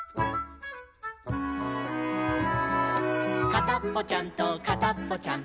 「かたっぽちゃんとかたっぽちゃん